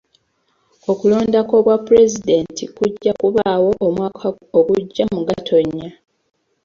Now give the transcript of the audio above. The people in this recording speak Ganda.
Okulonda kw'obwa pulezidenti kujja kubaawo omwaka ogujja mu Gatonnya.